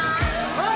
はい！